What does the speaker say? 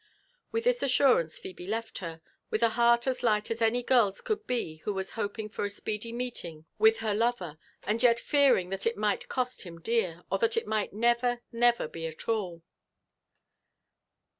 With this assurance Phebe left her, with a heart as light as any girl's could be who was hoping for a speedy meeting with her lover, and yet fearing that it might cost him dear, or that it might never, never be at ail.